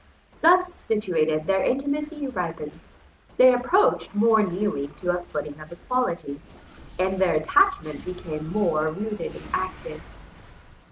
Thus situated, their intimacy ripened; they approached more nearly to a footing of equality; and their attachment became more rooted and active.